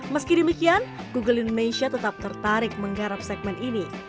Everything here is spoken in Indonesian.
meski demikian google indonesia tetap tertarik menggarap segmen ini